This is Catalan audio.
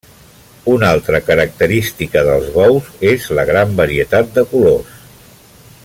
Una altra característica dels bous és la gran varietat de colors.